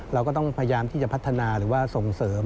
เราก็ต้องพยายามที่จะพัฒนาหรือว่าส่งเสริม